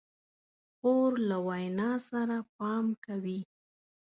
خور له وینا سره پام کوي.